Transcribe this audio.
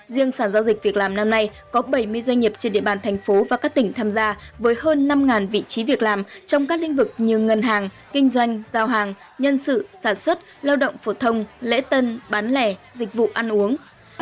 riêng sản giao dịch việc làm năm nay có bảy mươi doanh nghiệp trên địa bàn thành phố và các tỉnh tham gia với hơn năm vị trí việc làm trong các lĩnh vực như ngân hàng kinh doanh giao hàng nhân sự sản xuất lao động phổ thông lễ tân bán lẻ dịch vụ ăn uống